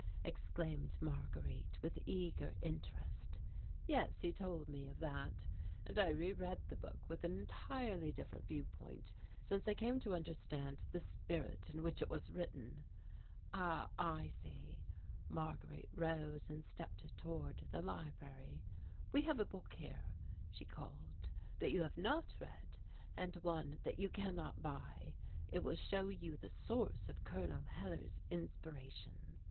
exclaimed Marguerite with eager interest. "Yes, he told me of that and I re read the book with an entirely different viewpoint since I came to understand the spirit in which it was written." "Ah I see." Marguerite rose and stepped toward the library. "We have a book here," she called, "that you have not read, and one that you cannot buy. It will show you the source of Col. Hellar's inspiration."